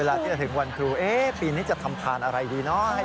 เวลาที่จะถึงวันครูปีนี้จะทำทานอะไรดีน้อย